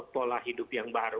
pola hidup yang baru